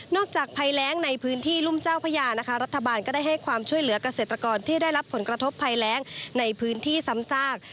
จากภัยแรงในพื้นที่รุ่มเจ้าพญานะคะรัฐบาลก็ได้ให้ความช่วยเหลือกเกษตรกรที่ได้รับผลกระทบภัยแรงในพื้นที่ซ้ำซาก